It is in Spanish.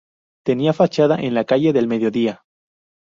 Tenía fachada en la calle del Mediodía.